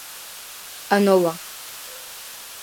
Anova.